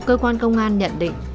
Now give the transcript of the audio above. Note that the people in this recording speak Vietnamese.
cơ quan công an nhận định